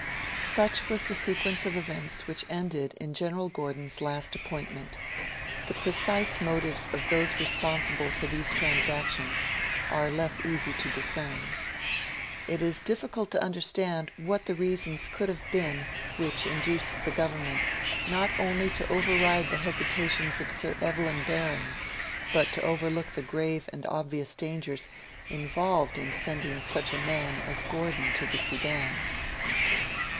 Such was the sequence of events which ended in General Gordon's last appointment. The precise motives of those responsible for these transactions are less easy to discern. It is difficult to understand what the reasons could have been which induced the Government, not only to override the hesitations of Sir Evelyn Baring, but to overlook the grave and obvious dangers involved in sending such a man as Gordon to the Sudan.